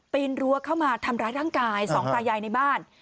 รั้วเข้ามาทำร้ายร่างกายสองตายายในบ้าน